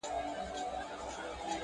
لکه شمع بلېده په انجمن کي،